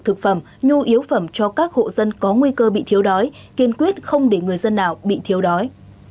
thực phẩm nhu yếu phẩm cho các hộ dân có nguy cơ bị thiếu đói kiên quyết không để người dân nào bị thiếu đói